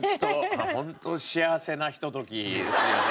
ホント幸せなひとときですよね。